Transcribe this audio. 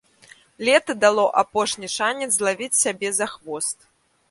Лета дало апошні шанец злавіць сябе за хвост.